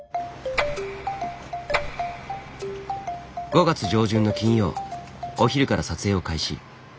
５月上旬の金曜お昼から撮影を開始。